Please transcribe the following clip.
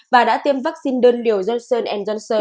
và đã tiêm vaccine đơn liều johnson johnson